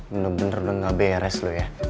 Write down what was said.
bener bener lu nggak beres lu ya